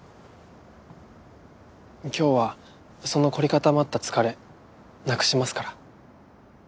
今日はその凝り固まった疲れなくしますから。